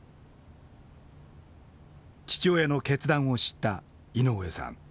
父親の決断を知った井上さん。